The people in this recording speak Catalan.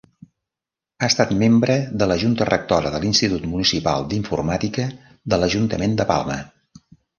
Ha estat membre de la junta rectora de l'Institut Municipal d'Informàtica de l'Ajuntament de Palma.